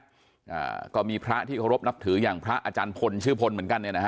อ่าก็มีพระที่เคารพนับถืออย่างพระอาจารย์พลชื่อพลเหมือนกันเนี่ยนะฮะ